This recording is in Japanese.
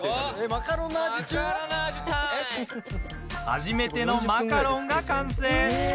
初めてのマカロンが完成。